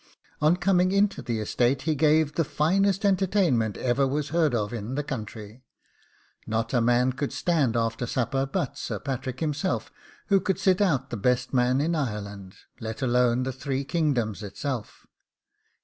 On coming into the estate he gave the finest entertainment ever was heard of in the country; not a man could stand after supper but Sir Patrick himself who could sit out the best man in Ireland, let alone the three kingdoms itself.